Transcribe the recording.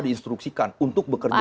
diinstruksikan untuk bekerja sama